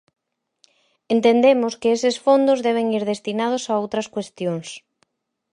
Entendemos que eses fondos deben ir destinados a outras cuestións.